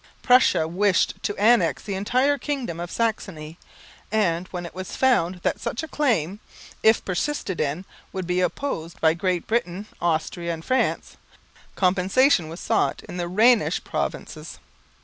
Prussia wished to annex the entire kingdom of Saxony; and, when it was found that such a claim, if persisted in, would be opposed by Great Britain, Austria and France, compensation was sought in the Rhenish provinces.